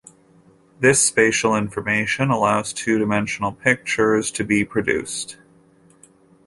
This spatial information allows two-dimensional pictures to be produced.